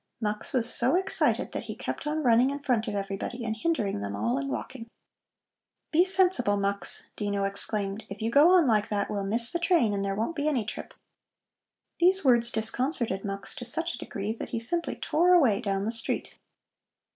Mux was so excited that he kept on running in front of everybody and hindering them all in walking. "Be sensible, Mux!" Dino exclaimed. "If you go on like that, we'll miss the train and there won't be any trip." These words disconcerted Mux to such a degree that he simply tore away down the street.